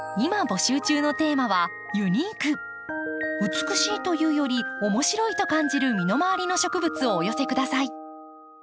美しいというより面白いと感じる身の回りの植物をお寄せ下さい。